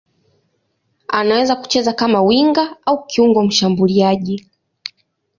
Anaweza kucheza kama winga au kiungo mshambuliaji.